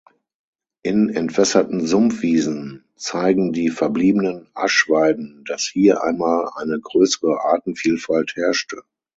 In entwässerten Sumpfwiesen zeigen die verbliebenen Asch-Weiden, dass hier einmal eine größere Artenvielfalt herrschte.